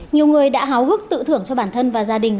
nhiều người đã háo hức tự thưởng cho bản thân và gia đình